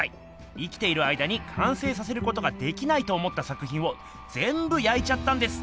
生きている間に完成させることができないと思った作品をぜんぶ焼いちゃったんです。